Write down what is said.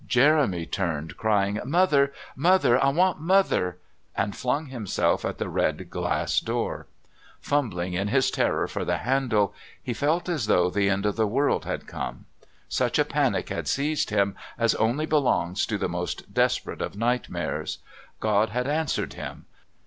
Jeremy turned, crying "Mother! Mother! I want Mother!" and flung himself at the red glass doors; fumbling in his terror for the handle, he felt as though the end of the world had come; such a panic had seized him as only belongs to the most desperate of nightmares. God had answered him.